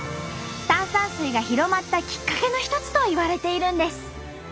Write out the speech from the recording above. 炭酸水が広まったきっかけの一つといわれているんです。